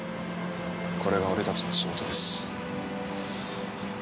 これが俺たちの仕事です。